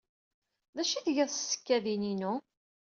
D acu ay tgiḍ s tsekkadin-inu?